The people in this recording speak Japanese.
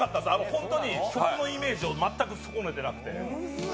ホントに曲のイメージを全く損ねてなくて。